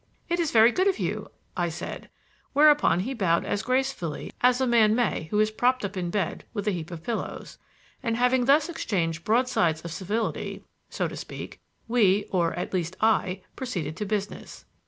"It is very good of you," I said; whereupon he bowed as gracefully as a man may who is propped up in bed with a heap of pillows; and having thus exchanged broadsides of civility, so to speak, we or, at least, I proceeded to business.